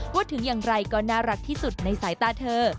พูดถึงอย่างไรก็น่ารักที่สุดในสายตาเธอ